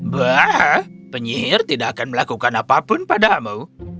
buah penyihir tidak akan melakukan apapun padamu